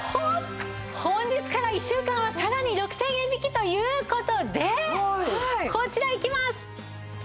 本日から１週間はさらに６０００円引きという事でこちらいきます！